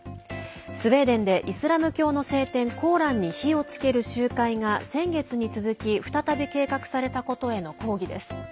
スウェーデンでイスラム教の聖典コーランに火をつける集会が、先月に続き再び計画されたことへの抗議です。